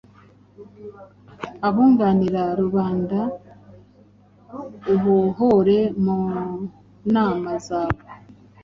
Abunganira rubandaubohore mu nama zawe